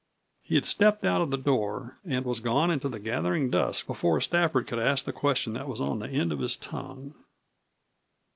He had stepped out of the door and was gone into the gathering dusk before Stafford could ask the question that was on the end of his tongue.